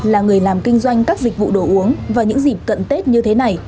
là người làm kinh doanh các dịch vụ đổ uống và những dịp cận tết như thế này